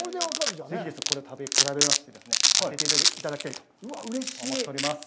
ぜひ、これを食べ比べまして、当てていただきたいと思っております。